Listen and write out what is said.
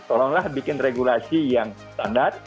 tolonglah bikin regulasi yang standar